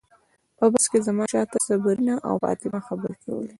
په بس کې زما شاته صبرینا او فاطمه خبرې کولې.